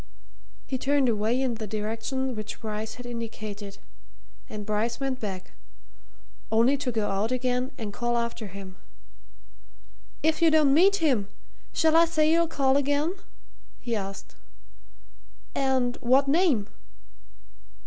He turned away in the direction which Bryce had indicated, and Bryce went back only to go out again and call after him. "If you don't meet him, shall I say you'll call again?" he asked. "And what name?"